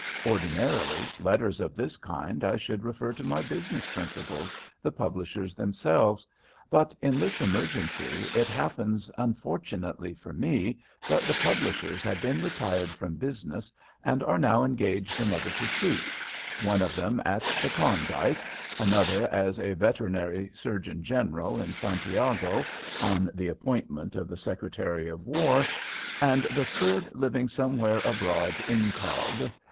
Ordinarily, letters of this kind I should refer to my business principals, the publishers themselves, but in this emergency it happens, unfortunately for me, that the publishers have been retired from business and are now engaged in other pursuits: one of them at the Klondike, another as a veterinary surgeon general at Santiago, on the appointment of the Secretary of War, and the third living somewhere abroad incog.